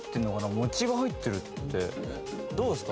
餅が入ってるってどうですか？